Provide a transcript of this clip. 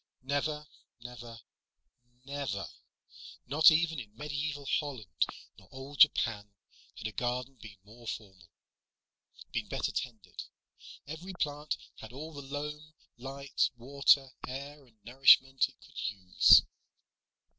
Never, never, never not even in medieval Holland nor old Japan had a garden been more formal, been better tended. Every plant had all the loam, light, water, air and nourishment it could use.